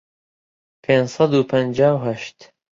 پێنج سەد و پەنجا و هەشت